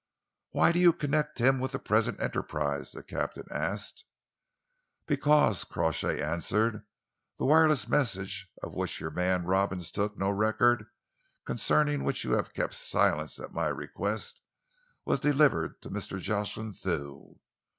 "Why do you connect him with the present enterprise?" the captain asked. "Because," Crawshay answered, "the wireless message of which your man Robins took no record, and concerning which you have kept silence at my request, was delivered to Mr. Jocelyn Thew.